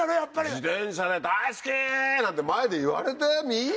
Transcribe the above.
自転車で「大好き！」なんて前で言われてみ？